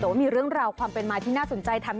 แต่ว่ามีเรื่องราวความเป็นมาที่น่าสนใจทำ